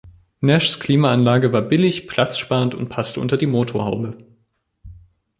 Nashs Klimaanlage war billig, platzsparend und passte unter die Motorhaube.